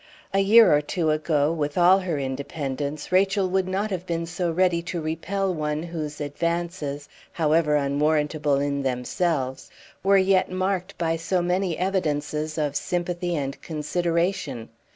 A year or two ago, with all her independence, Rachel would not have been so ready to repel one whose advances, however unwarrantable in themselves, were yet marked by so many evidences of sympathy and consideration.